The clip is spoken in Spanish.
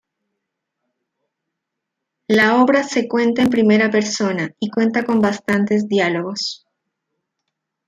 La obra se cuenta en primera persona, y cuenta con bastantes diálogos.